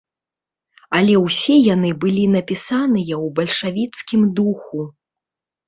Але ўсе яны былі напісаныя ў бальшавіцкім духу.